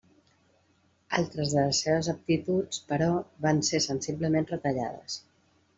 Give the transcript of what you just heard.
Altres de les seves aptituds, però, van ser sensiblement retallades.